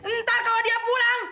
ntar kalau dia pulang